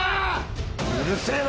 うるせえな！